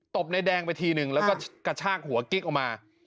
บในแดงไปทีนึงแล้วก็กระชากหัวกิ๊กออกมา